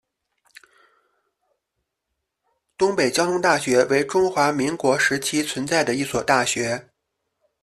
东北交通大学为中华民国时期存在的一所大学。